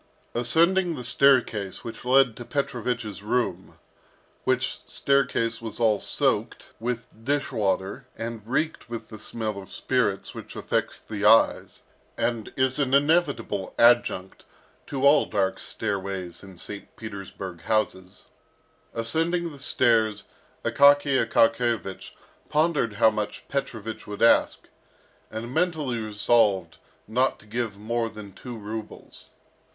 Ascending the staircase which led to Petrovich's room which staircase was all soaked with dish water and reeked with the smell of spirits which affects the eyes, and is an inevitable adjunct to all dark stairways in St. Petersburg houses ascending the stairs, Akaky Akakiyevich pondered how much Petrovich would ask, and mentally resolved not to give more than two rubles.